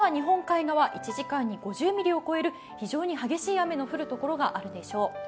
特に朝は日本海側、１時間に５０ミリを超える非常に激しい雨が降るところがあるでしょう。